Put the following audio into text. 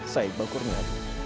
saya bakur nia